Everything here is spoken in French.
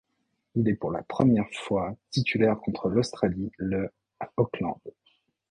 Il est pour la première fois titulaire contre l'Australie le à Auckland.